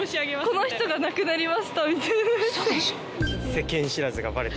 この人が亡くなりましたみたいなやつ。